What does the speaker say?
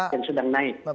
yang sedang naik